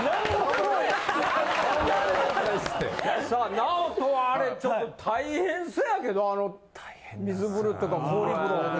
ＮＡＯＴＯはあれちょっと大変そうやけどあの水風呂とか氷風呂。